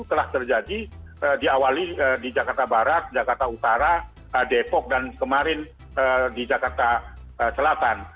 telah terjadi diawali di jakarta barat jakarta utara depok dan kemarin di jakarta selatan